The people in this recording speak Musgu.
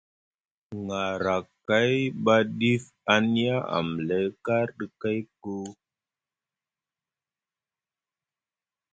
Narakay ɓa ɗif a niya amlay karɗi kay koo.